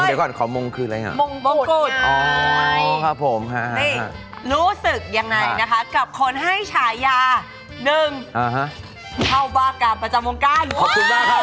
กับคนให้ฉายาหนึ่งเข้าบ้านกามประจำงงกั้น